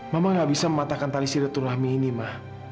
mama gak bisa mematahkan tali sireturahmi ini ma